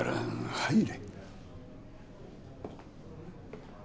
入れ。